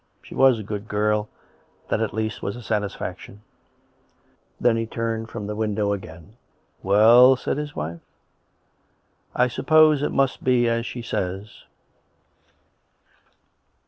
She was a good girl, ... That, at least, was a satisfaction. 78 COME RACK! COME ROPE! Then he turned from the window again. " Well ?" said his wife. " I suppose it must be as she says."